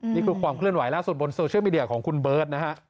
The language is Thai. นี่คือความเคลื่อนไหวล่าสุดบนโซเชียลมีเดียของคุณเบิร์ตนะฮะ